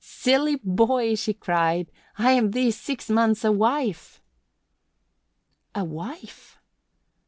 "Silly boy!" she cried. "I am these six months a wife." "A wife!"